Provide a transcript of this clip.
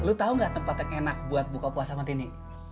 dad lu tau gak tempat yang enak buat buka puasa mati ini